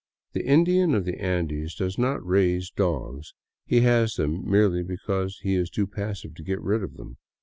The Indian of the Andes does not raise dogs ; he has them merely because he is too passive to get rid of them.